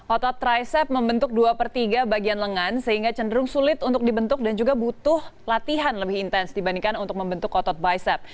otot tricep membentuk dua per tiga bagian lengan sehingga cenderung sulit untuk dibentuk dan juga butuh latihan lebih intens dibandingkan untuk membentuk otot bicep